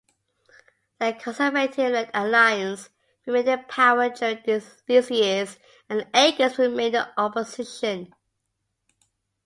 The Conservative-led alliance remained in power during these years, and Aikins remained in opposition.